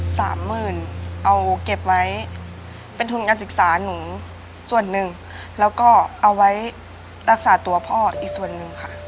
สามหมื่นเอาเก็บไว้เป็นทุนการศึกษาหนูส่วนหนึ่งแล้วก็เอาไว้รักษาตัวพ่ออีกส่วนหนึ่งค่ะ